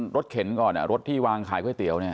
เข็นก่อนรถที่วางขายก๋วยเตี๋ยวเนี่ย